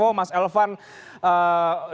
terima kasih banyak mas revo mas elvan